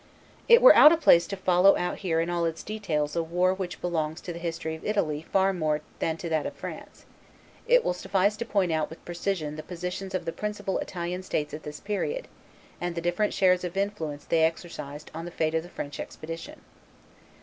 [Illustration: Charles VIII. crossing the Alps 285] It were out of place to follow out here in all its details a war which belongs to the history of Italy far more than to that of France; it will suffice to point out with precision the positions of the principal Italian states at this period, and the different shares of influence they exercised on the fate of the French expedition.